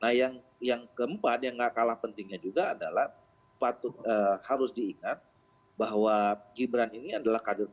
nah yang keempat yang gak kalah pentingnya juga adalah harus diingat bahwa gibran ini adalah kader